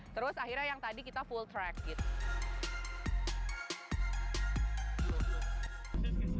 terus akhirnya yang tadi kita full track gitu